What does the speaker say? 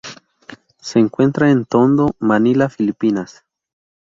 Se encuentra en Tondo, Manila, Filipinas.